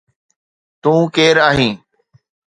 تو ڪير آهين؟